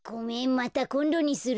またこんどにする。